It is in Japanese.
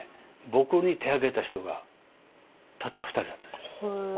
僕に手を挙げた人がたった２人だったんです。